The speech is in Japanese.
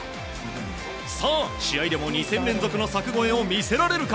さあ、試合でも２戦連続の柵越えを見せられるか。